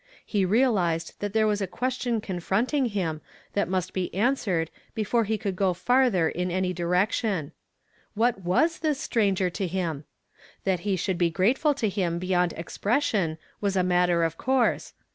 He realized that there was a question confronting him that nuist be answered before he could go farther in any direc tion. What was this stranger to him? That he sljould be grateful to him beyond expression was a 130 YESTERDAY FRAMED IN TO DAY. matter of coui se.